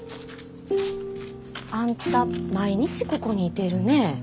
あんた毎日ここにいてるねえ？